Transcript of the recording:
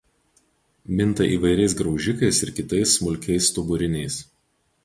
Minta įvairiais graužikais ir kitais smulkiais stuburiniais.